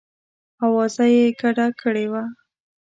آوازه یې ګډه کړې وه.